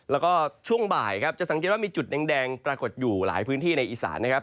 แล้วก็ช่วงบ่ายครับจะสังเกตว่ามีจุดแดงปรากฏอยู่หลายพื้นที่ในอีสานนะครับ